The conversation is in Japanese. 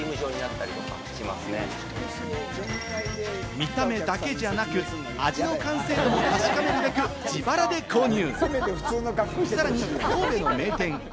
見た目だけじゃなく、味の完成度も確かめるべく、自腹で購入。